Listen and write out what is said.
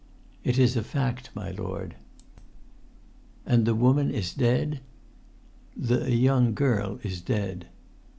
"It is a fact, my lord." "And the woman is dead?" "The young girl—is dead."